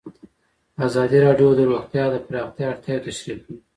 ازادي راډیو د روغتیا د پراختیا اړتیاوې تشریح کړي.